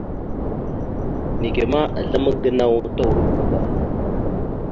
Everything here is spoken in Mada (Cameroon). Neke ma, aslam gənaw turova da.